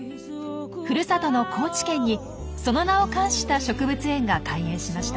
ふるさとの高知県にその名を冠した植物園が開園しました。